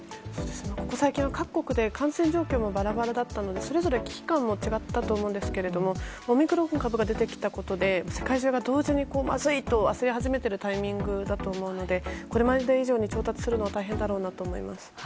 ここ最近は各国で感染状況がバラバラだったのでそれぞれ危機感も違ったと思うんですけどもオミクロン株が出てきたことで世界中が同時にまずい！と焦り始めているタイミングだと思うのでこれまで以上に調達するのが大変だと思います。